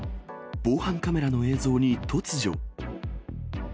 防犯カメラの映像に突如。